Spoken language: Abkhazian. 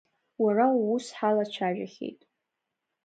Уара уус ҳалацәажәахьеит.